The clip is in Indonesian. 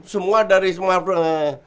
semua dari smartphone